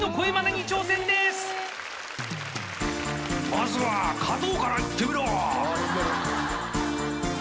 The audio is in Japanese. まずは加藤からいってみろ！